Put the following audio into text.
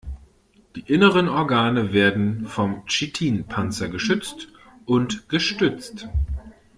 Die inneren Organe werden vom Chitinpanzer geschützt und gestützt.